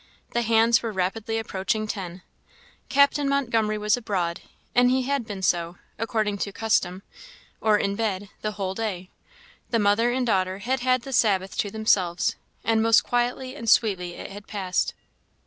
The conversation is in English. The hands were rapidly approaching ten. Captain Montgomery was abroad; and he had been so according to custom or in bed, the whole day. The mother and daughter had had the Sabbath to themselves; and most quietly and sweetly it had passed.